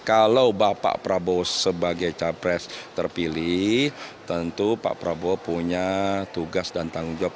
kalau bapak prabowo sebagai capres terpilih tentu pak prabowo punya tugas dan tanggung jawab